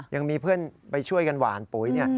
ยังมีเพื่อนไปช่วยกันหวานปุ๋ยเนี่ย